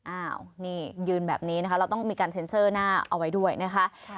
อ้าวนี่ยืนแบบนี้นะคะเราต้องมีการเซ็นเซอร์หน้าเอาไว้ด้วยนะคะ